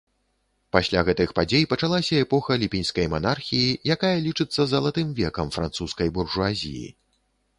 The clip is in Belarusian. Пасля гэтых падзей пачалася эпоха ліпеньскай манархіі, якая лічыцца залатым векам французскай буржуазіі.